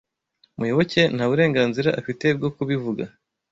Muyoboke nta burenganzira afite bwo kubivuga.